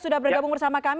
sudah bergabung bersama kami